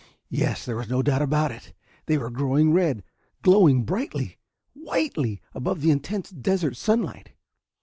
Yes, there was no doubt about it! They were growing red, glowing brightly, whitely, above the intense desert sunlight.